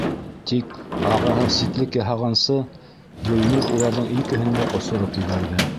Тик ағаһы ситлек яһағансы, Гөлнур уларҙың икеһен дә осороп ебәрҙе.